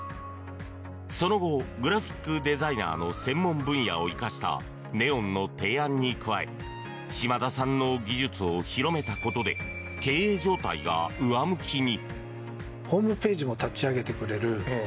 その後グラフィックデザイナーの専門分野を生かしたネオンの提案に加え島田さんの技術を広めたことで経営状態が上向きに。